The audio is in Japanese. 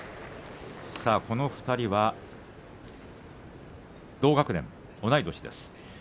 さあ、この２人は同学年、同い年です。